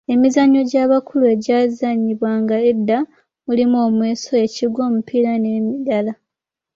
Emizannyo egy’abakulu egyazannyibwanga edda mulimu: omweso, ekigwo, omupiira n'emirala.